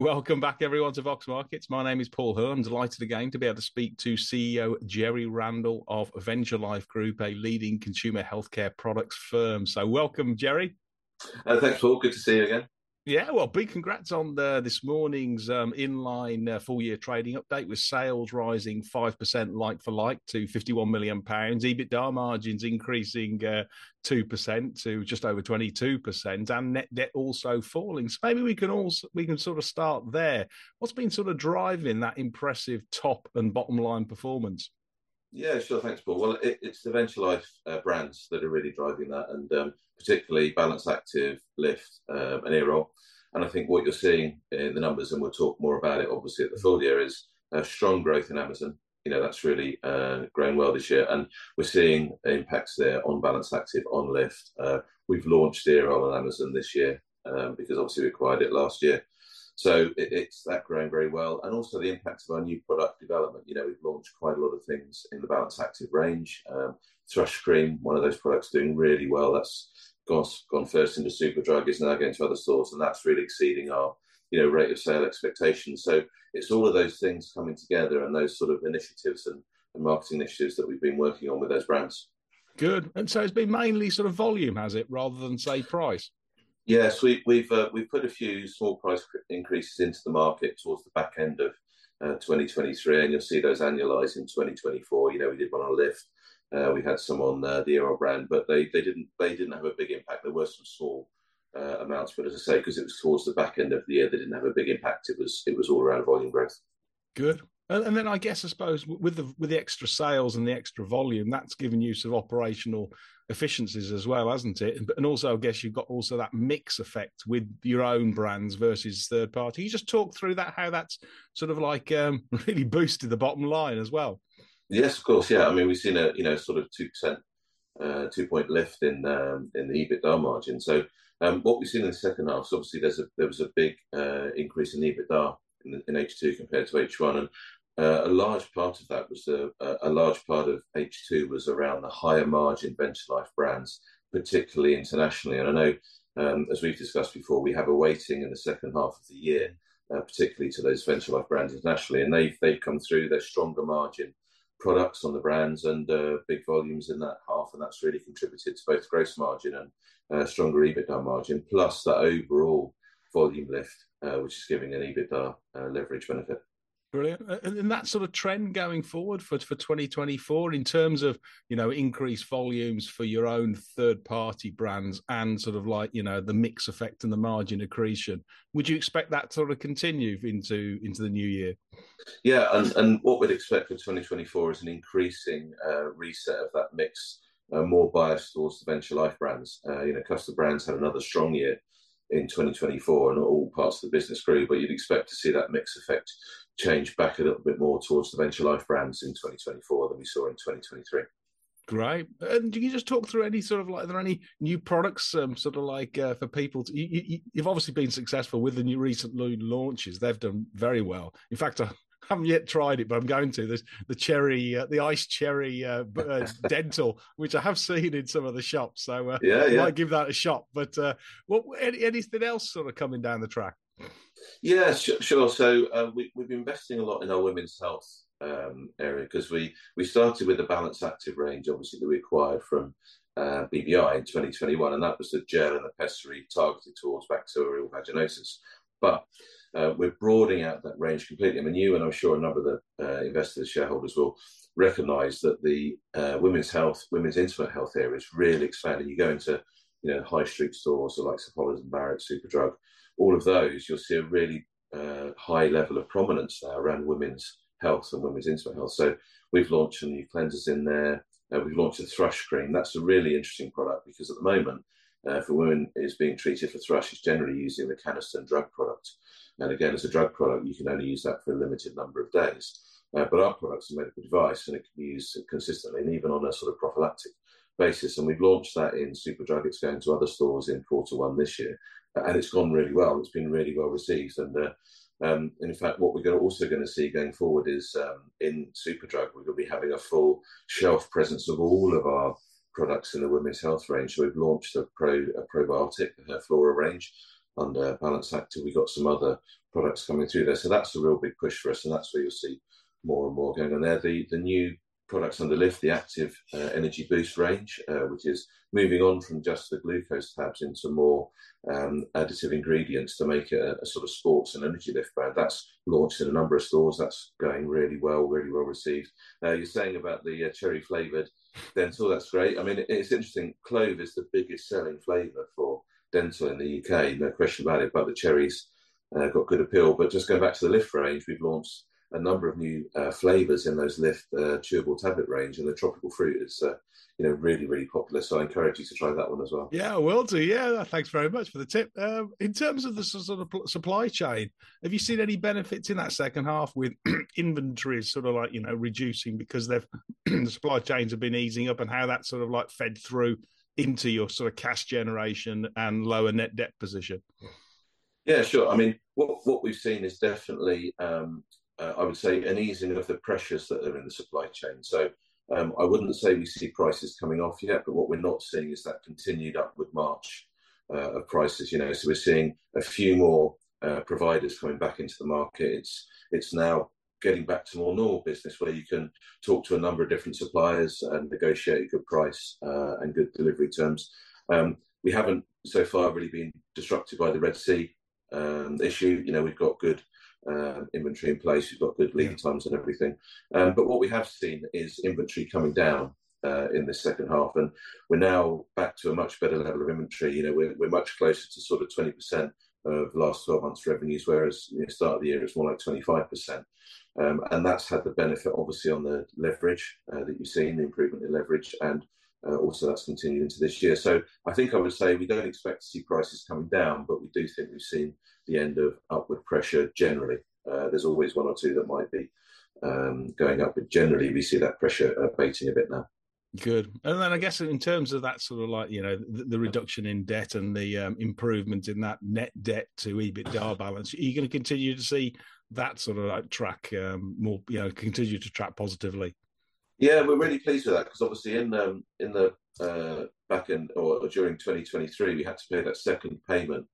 Welcome back, everyone, to Vox Markets. My name is Paul Hood. I'm delighted again to be able to speak to CEO Jerry Randall of Venture Life Group, a leading consumer healthcare products firm. So welcome, Jerry. Thanks, Paul. Good to see you again. Yeah, well, big congrats on the, this morning's, inline, full-year trading update, with sales rising 5% like-for-like to 51 million pounds, EBITDA margins increasing, 2% to just over 22%, and net debt also falling. So maybe we can we can sort of start there. What's been sort of driving that impressive top and bottom line performance? Yeah, sure. Thanks, Paul. Well, it's the Venture Life brands that are really driving that, and particularly Balance Activ, Lift, and Earol. And I think what you're seeing in the numbers, and we'll talk more about it obviously at the full year, is a strong growth in Amazon. You know, that's really grown well this year, and we're seeing impacts there on Balance Activ, on Lift. We've launched Earol on Amazon this year, because obviously we acquired it last year. So it's growing very well, and also the impact of our new product development. You know, we've launched quite a lot of things in the Balance Activ range. Thrush cream, one of those products, doing really well. That's gone first into Superdrug, is now going to other stores, and that's really exceeding our, you know, rate of sale expectations. So it's all of those things coming together and those sort of initiatives and marketing initiatives that we've been working on with those brands. Good. And so it's been mainly sort of volume, has it, rather than, say, price? Yes, we've put a few small price increases into the market towards the back end of 2023, and you'll see those annualize in 2024. You know, we did one on Lift. We had some on the Earol brand, but they didn't have a big impact. There were some small amounts, but as I say, because it was towards the back end of the year, they didn't have a big impact. It was all around volume growth. Good. And then I guess with the extra sales and the extra volume, that's given you some operational efficiencies as well, hasn't it? But and also, I guess you've got also that mix effect with your own brands versus third party. Can you just talk through that, how that's sort of like really boosted the bottom line as well? Yes, of course. Yeah. I mean, we've seen a, you know, sort of 2% 2-point lift in the EBITDA margin. So, what we've seen in the second half, obviously there was a big increase in EBITDA in H2 compared to H1. And a large part of that was a large part of H2 was around the higher margin Venture Life brands, particularly internationally. And I know, as we've discussed before, we have a weighting in the second half of the year, particularly to those Venture Life brands internationally, and they've come through. They're stronger margin products on the brands and big volumes in that half, and that's really contributed to both gross margin and stronger EBITDA margin, plus the overall volume lift, which is giving an EBITDA leverage benefit. Brilliant. And, and that sort of trend going forward for, for 2024, in terms of, you know, increased volumes for your own third-party brands and sort of like, you know, the mix effect and the margin accretion, would you expect that to sort of continue into, into the new year? Yeah. And what we'd expect for 2024 is an increasing reset of that mix, more biased towards the Venture Life brands. You know, customer brands had another strong year in 2024, and all parts of the business grew, but you'd expect to see that mix effect change back a little bit more towards the Venture Life brands in 2024 than we saw in 2023. Great. And can you just talk through any sort of like? Are there any new products, sort of like, for people to... You've obviously been successful with the new recent line launches. They've done very well. In fact, I haven't yet tried it, but I'm going to. There's the cherry, the Iced Cherry Dentyl, which I have seen in some of the shops. So, Yeah, yeah... I might give that a shot. But, what, anything else sort of coming down the track? Yeah, sure. So, we've been investing a lot in our women's health area because we started with the Balance Activ range, obviously, that we acquired from BBI in 2021, and that was the gel and ovules targeted towards bacterial vaginosis. But, we're broadening out that range completely. I mean, you and I'm sure a number of the investors, shareholders will recognize that the women's health, women's intimate health area is really expanding. You go into, you know, high street stores like Boots, Holland & Barrett, Superdrug, all of those, you'll see a really high level of prominence there around women's health and women's intimate health. So we've launched some new cleansers in there, and we've launched a thrush cream. That's a really interesting product because at the moment, if a woman is being treated for thrush, she's generally using a Canesten drug product. And again, as a drug product, you can only use that for a limited number of days. But our product is a medical device, and it can be used consistently and even on a sort of prophylactic basis, and we've launched that in Superdrug. It's going to other stores in quarter one this year, and it's gone really well. It's been really well received. In fact, what we're gonna also see going forward is, in Superdrug, we're gonna be having a full shelf presence of all of our products in the women's health range. We've launched a probiotic flora range under Balance Activ. We got some other products coming through there. So that's a real big push for us, and that's where you'll see more and more going on there. The new products under Lift, the Activ Energy boost range, which is moving on from just the glucose tabs into more additive ingredients to make a sort of sports and energy Lift bar. That's launched in a number of stores. That's going really well, really well received. You're saying about the cherry flavored Dentyl. That's great. I mean, it's interesting, Clove is the biggest selling flavor for Dentyl in the UK, no question about it, but the cherries got good appeal. But just going back to the Lift range, we've launched a number of new, flavours in those Lift chewable tablet range, and the Tropical Fruit is, you know, really, really popular, so I encourage you to try that one as well. Yeah, I will do. Yeah, thanks very much for the tip. In terms of the sort of supply chain, have you seen any benefits in that second half with inventories sort of like, you know, reducing because they've... the supply chains have been easing up, and how that sort of like fed through into your sort of cash generation and lower net debt position? Yeah, sure. I mean, what we've seen is definitely an easing of the pressures that are in the supply chain. So, I wouldn't say we see prices coming off yet, but what we're not seeing is that continued upward march of prices, you know. So we're seeing a few more providers coming back into the market. It's now getting back to more normal business, where you can talk to a number of different suppliers and negotiate a good price and good delivery terms. We haven't so far really been disrupted by the Red Sea issue. You know, we've got good inventory in place. We've got good lead times and everything. But what we have seen is inventory coming down in the second half, and we're now back to a much better level of inventory. You know, we're much closer to sort of 20% of last twelve months' revenues, whereas, you know, start of the year it's more like 25%. And that's had the benefit, obviously, on the leverage that you've seen, the improvement in leverage, and also that's continuing into this year. So I think I would say we don't expect to see prices coming down, but we do think we've seen the end of upward pressure generally. There's always one or two that might be going up, but generally we see that pressure abating a bit now. Good. And then I guess in terms of that sort of like, you know, the reduction in debt and the improvement in that net debt to EBITDA balance, are you gonna continue to see that sort of like track more... you know, continue to track positively? Yeah. We're really pleased with that, 'cause obviously back in or during 2023, we had to pay that second payment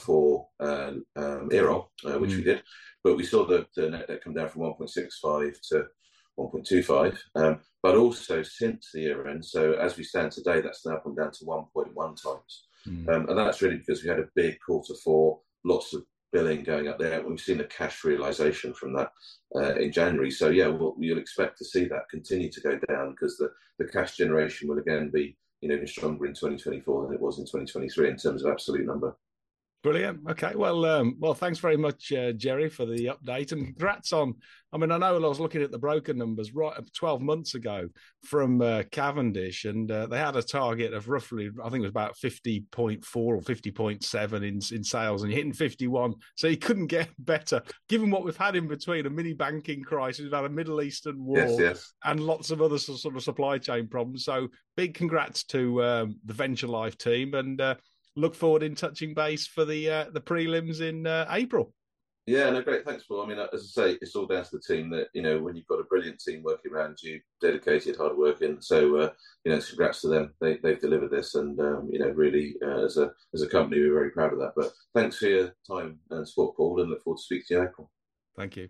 for Earol, Mm. -which we did. But we saw the net debt come down from 1.65 to 1.25. But also since the year end, so as we stand today, that's now come down to 1.1 times. Mm. And that's really because we had a big quarter four, lots of billing going out there. We've seen the cash realization from that in January. So yeah, we'll- you'll expect to see that continue to go down, 'cause the, the cash generation will again be, you know, stronger in 2024 than it was in 2023 in terms of absolute number. Brilliant. Okay, well, thanks very much, Jerry, for the update, and congrats on... I mean, I know I was looking at the broker numbers right up 12 months ago from, Cavendish, and, they had a target of roughly, I think it was about 50.4 or 50.7 in, in sales, and you're hitting 51, so you couldn't get better. Given what we've had in between, a mini banking crisis, we've had a Middle Eastern war- Yes, yes... and lots of other sort of supply chain problems. So big congrats to the Venture Life team, and look forward in touching base for the prelims in April. Yeah, no, great. Thanks, Paul. I mean, as I say, it's all down to the team that, you know, when you've got a brilliant team working around you, dedicated, hard-working, so, you know, congrats to them. They've delivered this and, you know, really, as a, as a company, we're very proud of that. But thanks for your time and support, Paul, and look forward to speaking to you, April. Thank you.